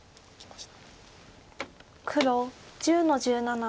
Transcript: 黒１０の十七。